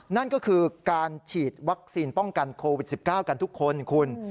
นั่นก็คือการฉีดวัคซีนป้องกันโควิด๑๙กันทุกคนคุณ